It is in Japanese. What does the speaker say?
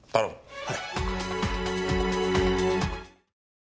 はい。